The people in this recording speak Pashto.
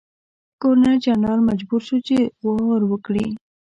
ګورنرجنرال مجبور شو چې غور وکړي.